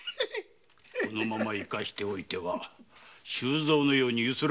このまま生かしておいては周蔵のようにユスられるだけだ。